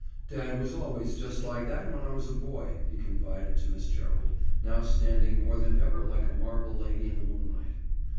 "Dad was always just like that when I was a boy," he confided to Miss Gerald, now standing more than ever like a marble lady in the moonlight.